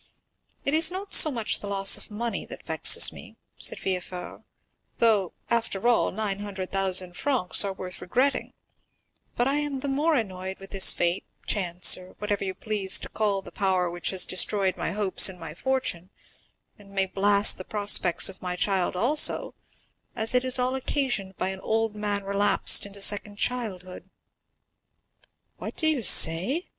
"It is not so much the loss of the money that vexes me," said Villefort, "though, after all, 900,000 francs are worth regretting; but I am the more annoyed with this fate, chance, or whatever you please to call the power which has destroyed my hopes and my fortune, and may blast the prospects of my child also, as it is all occasioned by an old man relapsed into second childhood." 30183m "What do you say?"